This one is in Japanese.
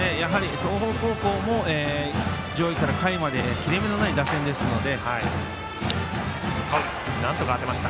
東邦高校も上位から下位まで切れ目のない打線ですので。